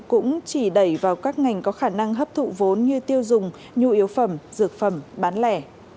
cũng chỉ đẩy vào các ngành có khả năng hấp thụ vốn như tiêu dùng nhu yếu phẩm dược phẩm bán lẻ